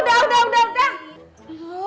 aduh udah udah udah